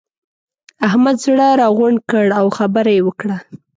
احمد زړه راغونډ کړ؛ او خبره يې وکړه.